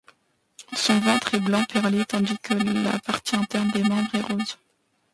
Son ventre est blanc perlé tandis que la partie interne des membres est rose.